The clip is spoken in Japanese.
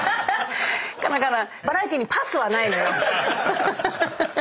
カナカナバラエティーにパスはないのよ。